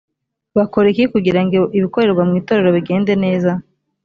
bakora iki kugira ngo ibikorerwa mu itorero bigende neza?